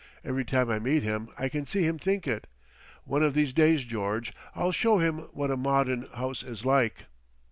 Every time I meet him I can see him think it.... One of these days, George I'll show him what a Mod'un house is like!"